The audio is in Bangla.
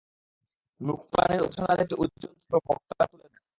মূক প্রাণীর উপাসনার একটি উজ্জ্বল চিত্র বক্তা তুলে ধরেন।